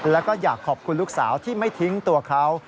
แล้วก็อยากขอบคุณลูกสาวที่ไม่ทิ้งตัวเขา